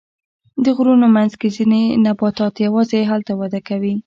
د غرونو منځ کې ځینې نباتات یوازې هلته وده کوي.